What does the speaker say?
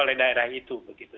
oleh daerah itu begitu